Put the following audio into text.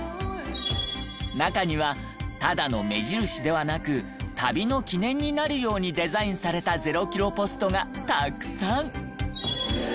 中にはただの目印ではなく旅の記念になるようにデザインされた０キロポストがたくさん。